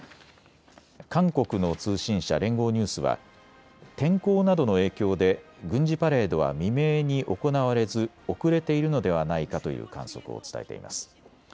韓国の通信社、連合ニュースは天候などの影響で軍事パレードは未明に行われず遅れているのではないかという観測を伝えています。